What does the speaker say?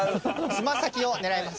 つま先を狙います。